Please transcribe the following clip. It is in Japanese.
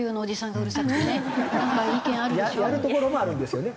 やるところもあるんですよね。